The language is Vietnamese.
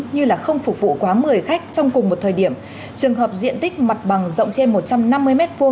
như là không phục vụ quá một mươi khách trong cùng một thời điểm trường hợp diện tích mặt bằng rộng trên một trăm năm mươi m hai